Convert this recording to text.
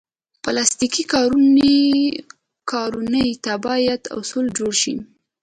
پلاستيکي کارونې ته باید اصول جوړ شي.